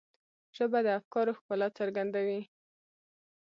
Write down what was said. ژبه د افکارو ښکلا څرګندوي